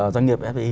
doanh nghiệp fdi